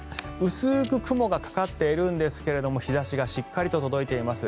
薄く雲がかかっているんですけれども日差しがしっかりと届いています。